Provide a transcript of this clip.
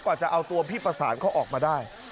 จะเอาตัวพี่ประสานเขาออกมาได้